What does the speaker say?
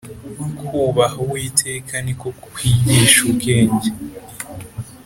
kūbaha uwiteka ni ko kwigisha ubwenge,